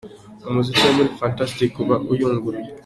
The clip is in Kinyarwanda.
Umuziki wo muri Fantastic uba uyunguruye.